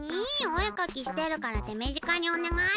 おえかきしてるからてみじかにおねがい。